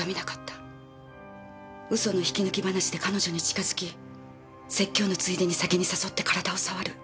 嘘の引き抜き話で彼女に近づき説教のついでに酒に誘って体を触る。